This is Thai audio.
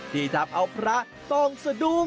ที่ทำเอาพระต้องสะดุ้ง